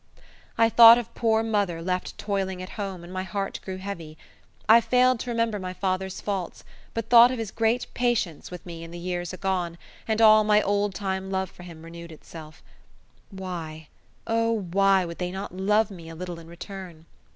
I thought of poor mother left toiling at home, and my heart grew heavy; I failed to remember my father's faults, but thought of his great patience with me in the years agone, and all my old time love for him renewed itself. Why, oh, why, would they not love me a little in return!